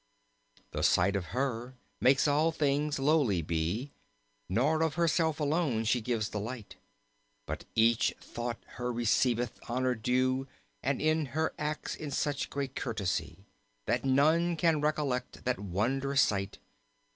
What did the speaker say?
The sight of her makes all things lowly be; Nor of herself alone she gives delight. But each through her receiveth honor due. And in her acts is such great courtesy, That none can recollect that wondrous sight.